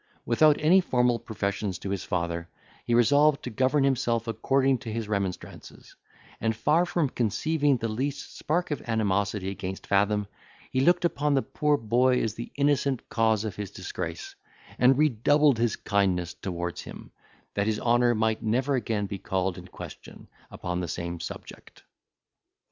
Without any formal professions to his father, he resolved to govern himself according to his remonstrances; and, far from conceiving the least spark of animosity against Fathom, he looked upon the poor boy as the innocent cause of his disgrace, and redoubled his kindness towards him, that his honour might never again be called in question, upon the same subject.